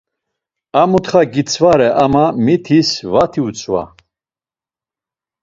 A mutxa gitzvare ama mitis vati utzva.